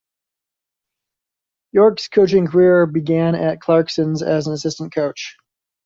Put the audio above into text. York's coaching career began at Clarkson as an assistant coach.